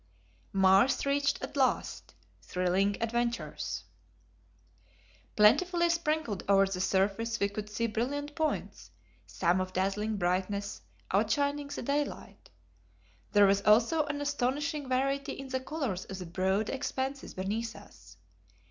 Mars Reached at Last Thrilling Adventures. Plentifully sprinkled over the surface we could see brilliant points, some of dazzling brightness, outshining the daylight. There was also an astonishing variety in the colors of the broad expanses beneath us.